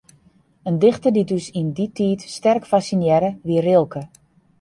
In dichter dy't ús yn dy tiid sterk fassinearre, wie Rilke.